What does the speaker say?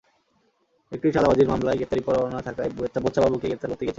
একটি চাঁদাবাজির মামলায় গ্রেপ্তারি পরোয়ানা থাকায় বোচা বাবুকে গ্রেপ্তার করতে গিয়েছিলাম।